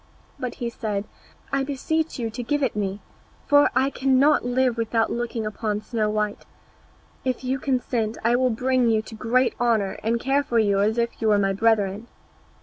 But he said, "I beseech you to give it me, for I cannot live without looking upon Snow white; if you consent I will bring you to great honour, and care for you as if you were my brethren."